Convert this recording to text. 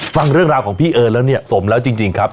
ฟังเรื่องราวของพี่เอิญแล้วเนี่ยสมแล้วจริงครับ